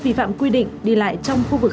vi phạm quy định đi lại trong khu vực